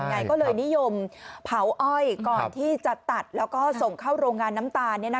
ไงก็เลยนิยมเผาอ้อยก่อนที่จะตัดแล้วก็ส่งเข้าโรงงานน้ำตาล